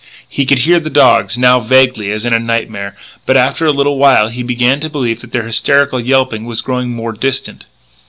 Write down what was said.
He could hear the dogs, now, vaguely as in a nightmare. But after a little while he began to believe that their hysterical yelping was really growing more distant.